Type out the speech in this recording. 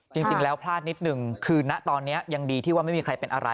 จริงแล้วพลาดนิดหนึ่งคือณตอนนี้ยังดีที่ว่าไม่มีใครเป็นอะไร